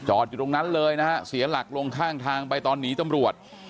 อยู่ตรงนั้นเลยนะฮะเสียหลักลงข้างทางไปตอนหนีตำรวจ